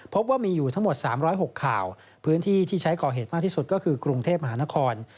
พบว่ามีอยู่ทั้งหมด๓๐๖ข่าวพื้นที่ที่ใช้ก่อเหตุมากที่สุดก็คือกรุงเทพมหานคร